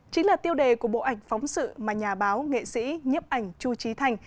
chính là tiêu đề của bộ ảnh phóng sự mà nhà báo nghệ sĩ nhấp ảnh chu trí thành